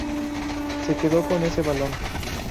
Se quedó con ese balón.